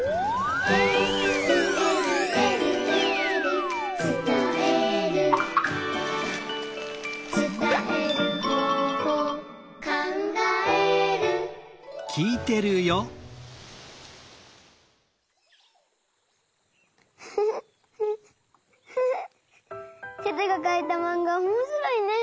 「えるえるえるえる」「つたえる」「つたえる方法」「かんがえる」テテがかいたマンガおもしろいね！